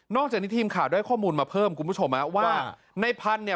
จากนี้ทีมข่าวได้ข้อมูลมาเพิ่มคุณผู้ชมฮะว่าในพันธุ์เนี่ย